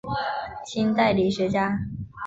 清代理学家。